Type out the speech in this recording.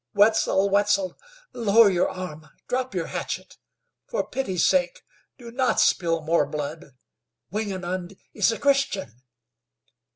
Wetzel, Wetzel, lower your arm, drop your hatchet. For pity's sake do not spill more blood. Wingenund is a Christian!"